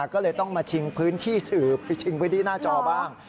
ก็เลยต้องมาชิงพื้นที่สื่อไปชิงพื้นที่หน้าจอบ้าง